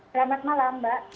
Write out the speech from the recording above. selamat malam mbak